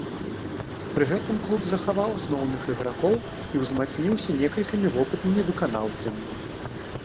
Пры гэтым клуб захаваў асноўных ігракоў і ўзмацніўся некалькімі вопытнымі выканаўцамі.